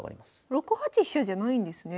６八飛車じゃないんですね。